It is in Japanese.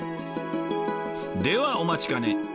ではお待ちかね。